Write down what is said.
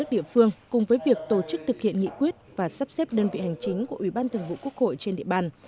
địa phương cùng với việc tổ chức thực hiện nghị quyết và sắp xếp đơn vị hành chính của ubthqh trên địa bàn